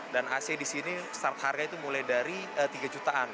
dan ac di sini start harga itu mulai dari tiga jutaan